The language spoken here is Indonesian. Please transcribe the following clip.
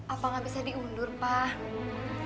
apa nggak bisa diundur pak